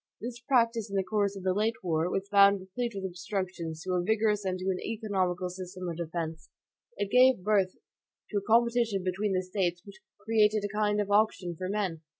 This practice in the course of the late war, was found replete with obstructions to a vigorous and to an economical system of defense. It gave birth to a competition between the States which created a kind of auction for men.